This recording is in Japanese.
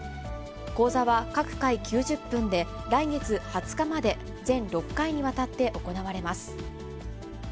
講座は各回９０分で、来月２０日まで全６回にわたって行われます。